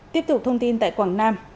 tiếp tục thông tin tại quảng nam